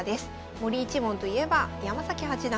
森一門といえば山崎八段